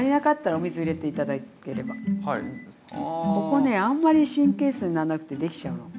ここねあんまり神経質になんなくてできちゃうの。